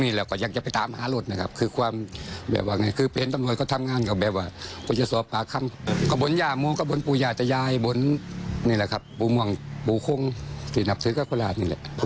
ดีใจที่ได้รถกลับคืนมาไม่ต้องไปซื้อแล้ว